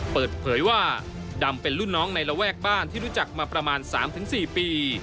เปิดเผยว่าดำเป็นรุ่นน้องในระแวกบ้านที่รู้จักมาประมาณ๓๔ปี